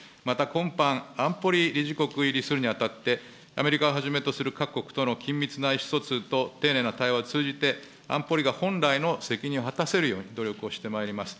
また今般、安保理理事国入りするにあたって、アメリカをはじめとする各国との緊密な意思疎通と丁寧な対話を通じて、安保理が本来の責任を果たせるように努力をしてまいります。